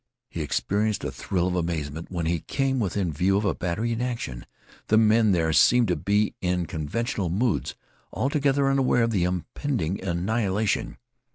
He experienced a thrill of amazement when he came within view of a battery in action. The men there seemed to be in conventional moods, altogether unaware of the impending annihilation.